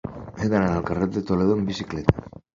He d'anar al carrer de Toledo amb bicicleta.